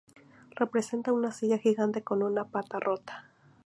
Representa una silla gigante con una pata rota.